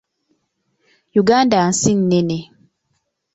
Uganda nsi nnene.